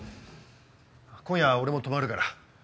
今夜は俺も泊まるから。